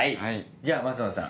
じゃあ升野さん